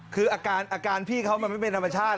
คืออาการพี่เขามันไม่เป็นธรรมชาติ